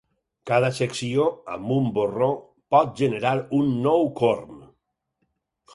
Cada secció amb un borró pot generar un nou corm.